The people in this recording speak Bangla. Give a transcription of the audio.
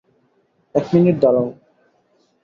এক মিনিট দাড়াও।